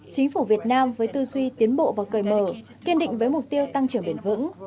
chính phủ việt nam với tư duy tiến bộ và cởi mở kiên định với mục tiêu tăng trưởng bền vững